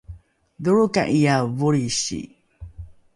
dholroka’iae volrisi?